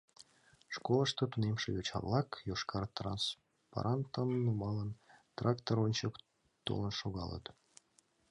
Школышто тунемше йоча-влак, йошкар транспарантым нумалын, трактор ончык толын шогалыт.